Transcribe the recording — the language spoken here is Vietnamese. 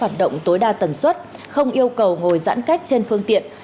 xe khách sẽ phạt động tối đa tần suất không yêu cầu ngồi giãn cách trên phương tiện